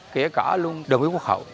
kể cả luôn đồng ý quốc hậu